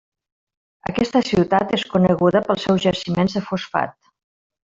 Aquesta ciutat és coneguda pels seus jaciments de fosfat.